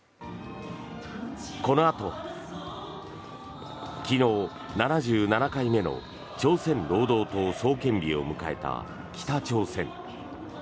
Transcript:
このあとは昨日、７７回目の朝鮮労働党創建日を迎えた北朝鮮。